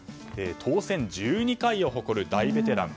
当選１２回を誇る大ベテラン。